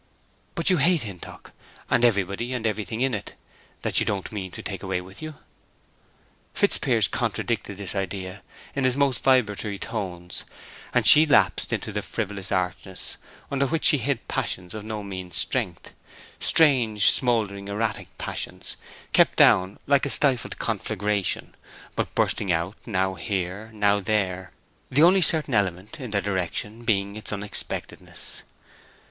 "But you hate Hintock, and everybody and everything in it that you don't mean to take away with you?" Fitzpiers contradicted this idea in his most vibratory tones, and she lapsed into the frivolous archness under which she hid passions of no mean strength—strange, smouldering, erratic passions, kept down like a stifled conflagration, but bursting out now here, now there—the only certain element in their direction being its unexpectedness.